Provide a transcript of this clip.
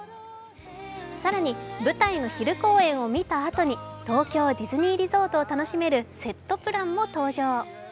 更に、舞台の昼公演を見たあとに東京ディズニーリゾートを楽しめるセットプランも登場。